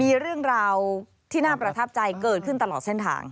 มีเรื่องราวที่น่าประทับใจเกิดขึ้นตลอดเส้นทาง